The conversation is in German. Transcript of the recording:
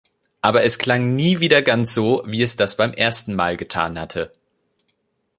Aber es klang nie wieder ganz so, wie es das beim ersten Mal getan hatte.